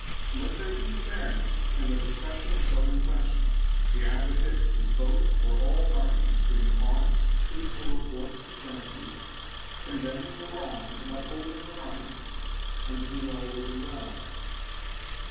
Let there be fairness in the discussion of Southern questions, the advocates of both or all political parties giving honest, truthful reports of occurrences, condemning the wrong and upholding the tight, and soon all will be well.